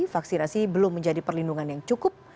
vaksinasi belum menjadi perlindungan yang cukup